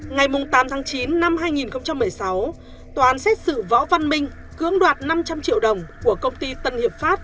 ngày tám tháng chín năm hai nghìn một mươi sáu tòa án xét xử võ văn minh cưỡng đoạt năm trăm linh triệu đồng của công ty tân hiệp pháp